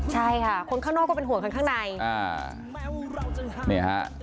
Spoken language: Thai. ใช่ค่ะคนข้างนอกก็เป็นห่วงคนข้างใน